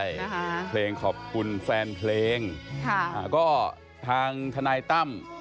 เป็นเพลงขอบคุณแฟนเพลงค่ะก็ทางทนายต้ำ